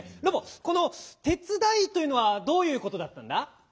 ロボこの「てつだい」というのはどういうことだったんだ？